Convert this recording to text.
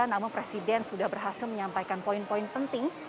namun presiden sudah berhasil menyampaikan poin poin penting